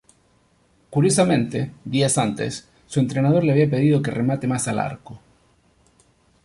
Curiosamente, días antes, su entrenador le había pedido que remate más al arco.